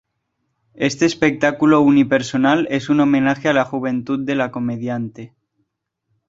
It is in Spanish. Este espectáculo unipersonal es un homenaje a la juventud de la comediante.